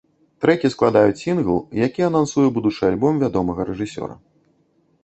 Трэкі складаюць сінгл, які анансуе будучы альбом вядомага рэжысёра.